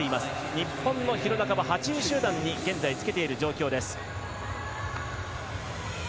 日本の廣中も８位集団に現在つけている状況です。